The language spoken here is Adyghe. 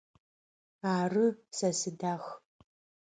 Ары, сэ сыдах.